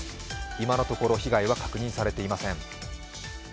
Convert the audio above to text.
今のところ被害は確認されていません。